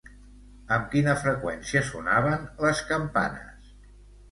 Amb quina freqüència sonaven les campanes?